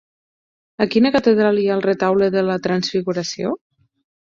A quina catedral hi ha el Retaule de la Transfiguració?